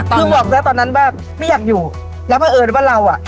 คือบอกแล้วตอนนั้นว่าไม่อยากอยู่แล้วเพราะเอิญว่าเราอ่ะ